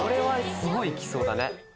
すごい行きそうだね。